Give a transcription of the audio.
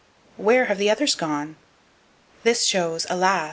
Where have the others gone? This shows, alas!